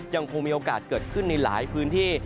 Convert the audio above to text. ยังคงมีโอกาสเกิดขึ้นในหลายพื้นที่